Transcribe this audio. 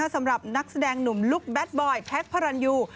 สำหรับนักแสดงหนุ่มลุคแบทบอยแท็กพระรันยู